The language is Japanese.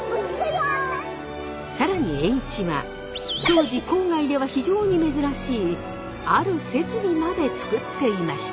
更に栄一は当時郊外では非常に珍しいある設備まで作っていました。